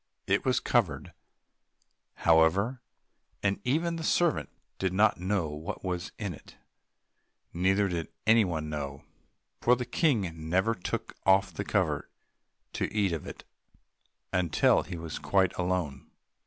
It was covered, however, and even the servant did not know what was in it, neither did anyone know, for the King never took off the cover to eat of it until he was quite alone.